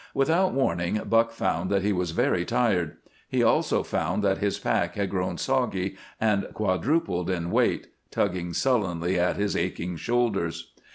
Without warning Buck found that he was very tired. He also found that his pack had grown soggy and quadrupled in weight, tugging sullenly at his aching shoulders.